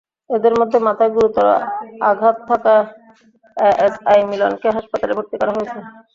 এঁদের মধ্যে মাথায় গুরুতর আঘাত থাকা এএসআই মিলনকে হাসপাতালে ভর্তি করা হয়েছে।